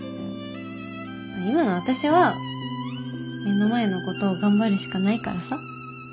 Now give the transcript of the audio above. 今の私は目の前のことを頑張るしかないからさ。